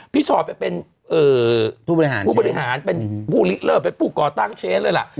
พี่ชอดเป็นผู้บริหารผู้ฤดเลิศเป็นผู้ก่อตั้งเชนเลยล่ะ